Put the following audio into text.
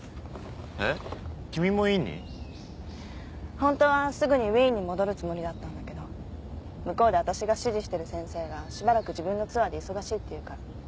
ホントはすぐにウィーンに戻るつもりだったんだけど向こうでわたしが師事してる先生がしばらく自分のツアーで忙しいっていうから。